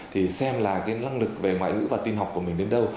thì xem là cái năng lực về ngoại ngữ và tin học của mình đến đâu